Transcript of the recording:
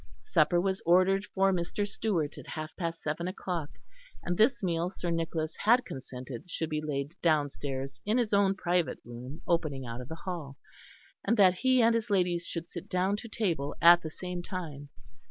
Supper was ordered for Mr. Stewart at half past seven o'clock; and this meal Sir Nicholas had consented should be laid downstairs in his own private room opening out of the hall, and that he and his ladies should sit down to table at the same time.